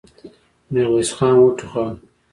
ميرويس خان وټوخل.